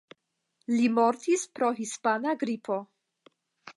Li mortis pro Hispana gripo.